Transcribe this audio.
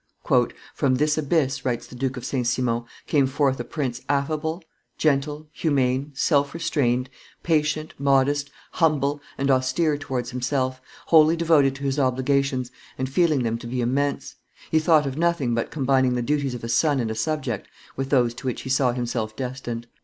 "From this abyss," writes the Duke of St. Simon, "came forth a prince affable, gentle, humane, self restrained, patient, modest, humble, and austere towards himself, wholly devoted to his obligations and feeling them to be immense; he thought of nothing but combining the duties of a son and a subject with those to which he saw himself destined."